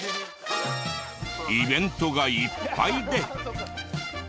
イベントがいっぱいで。